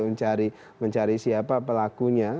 untuk mencari siapa pelakunya